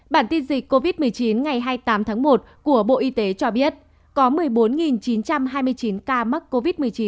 bản tin dịch covid một mươi chín ngày hai mươi tám tháng một của bộ y tế cho biết có một mươi bốn chín trăm hai mươi chín ca mắc covid một mươi chín